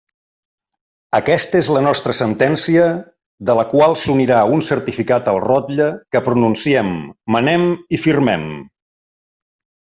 Aquesta és la nostra sentència, de la qual s'unirà un certificat al rotlle, que pronunciem, manem i firmem.